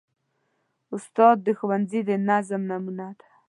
استاد د ښوونځي د نظم نمونه ده.